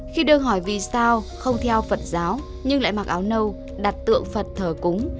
khi đưa hỏi vì sao không theo phật giáo nhưng lại mặc áo nâu đặt tượng phật thờ cúng